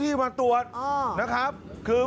พี่เอามาเป็นสัตว์